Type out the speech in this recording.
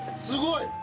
すごい！